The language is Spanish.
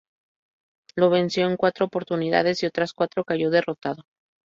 Lo venció en cuatro oportunidades y otras cuatro cayó derrotado.